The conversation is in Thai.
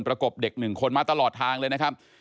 กบเด็ก๑คนมาตลอดทางเลยนะครับ